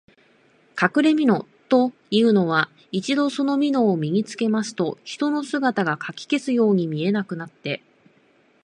かくれみのというのは、一度そのみのを身につけますと、人の姿がかき消すように見えなくなって、